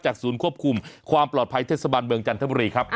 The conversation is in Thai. ศูนย์ควบคุมความปลอดภัยเทศบาลเมืองจันทบุรีครับ